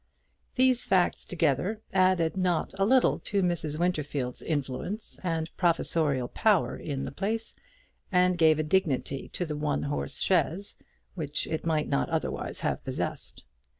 These facts together added not a little to Mrs. Winterfield's influence and professorial power in the place, and gave a dignity to the one horse chaise which it might not otherwise have possessed.